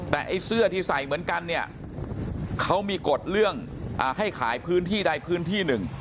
แต่ไอ้เสื้อที่ใส่เหมือนกันเนี่ยเขามีกฎเรื่องให้ขายพื้นที่ใดพื้นที่หนึ่ง